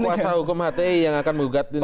ini kuasa hukum hte yang akan mengugat ini